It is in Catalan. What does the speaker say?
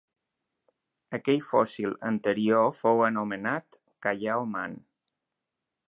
Aquell fòssil anterior fou anomenat Callao Man.